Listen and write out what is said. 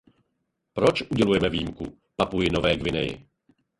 Proč udělujeme výjimku Papui Nové Guineji?